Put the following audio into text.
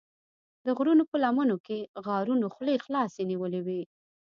د غرونو په لمنو کې غارونو خولې خلاصې نیولې وې.